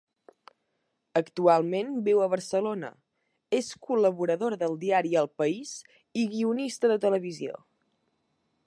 Actualment viu a Barcelona, és col·laboradora del diari El País i guionista de televisió.